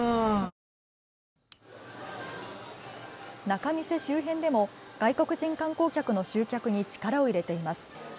仲見世周辺でも外国人観光客の集客に力を入れています。